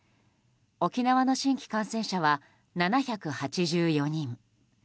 沖縄の新規感染者は７８４人。